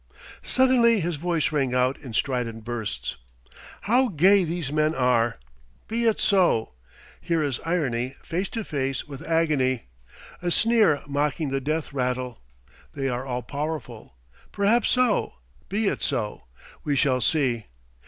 Suddenly his voice rang out in strident bursts. "How gay these men are! Be it so. Here is irony face to face with agony; a sneer mocking the death rattle. They are all powerful. Perhaps so; be it so. We shall see.